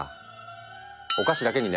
お菓子だけにね。